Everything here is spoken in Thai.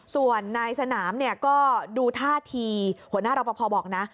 ส่วนนายสนามเนี่ยก็ดูท่าทีหัวหน้ารอปภบอกนะ